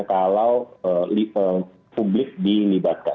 kalau publik dilibatkan